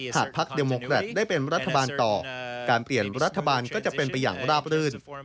หากพักเดโมแครตได้เป็นรัฐบาลต่อการเปลี่ยนรัฐบาลก็จะเป็นไปอย่างราบรื่น